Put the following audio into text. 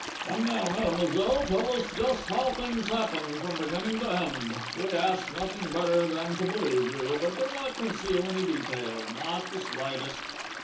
"Come now, mademoiselle, tell us just how things happened from beginning to end! We ask nothing better than to believe you, but do not conceal any detail not the slightest...."